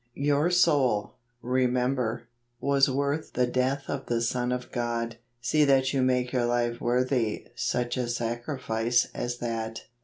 Your soul, remember, was worth the death of the Son of God. See that you make your life worthy such a sacrifice as that.